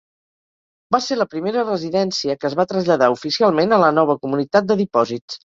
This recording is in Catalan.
Va ser la primera residència que es va traslladar oficialment a la nova comunitat de dipòsits.